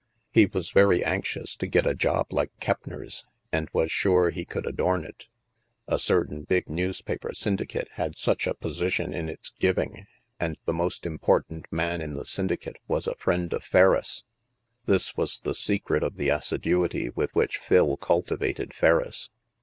He was very anxious to get a job like Keppner's and was sure he could adorn it. A certain big news THE MAELSTROM 141 paper syndicate had such a position in its giving, and the most important man in the syndicate was a friend of Ferriss' ! This was the secret of the as siduity with which Phil cultivated Ferriss.